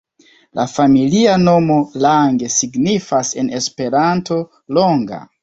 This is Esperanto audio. La familia nomo Lange signifas en en Esperanto ’’’longa’’’.